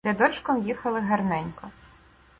Рядочком їхали гарненько.